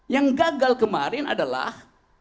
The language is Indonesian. yang gagal kemarin adalah